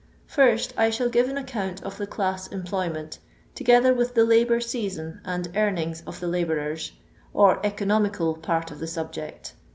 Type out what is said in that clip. First, I shall give an account of the class em ployment, together with the labour season aud earnings of the labourers, or "economical" part of the subject.